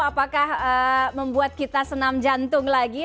apakah membuat kita senam jantung lagi